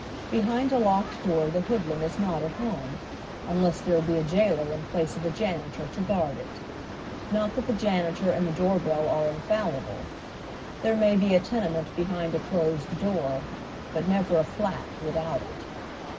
Behind a locked door the hoodlum is not at home, unless tiiere be a jailor in place of a janitor to guard it. Not that the janitor and the doorbell are in fallible. There inay be a tenement behind a closed door ; but never a " flat " without it.